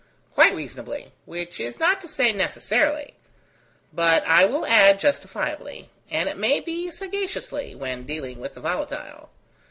"Quite reasonably; which is not to say, necessarily; but, I will add, justifiably; and it may be, sagaciously, when dealing with the volatile."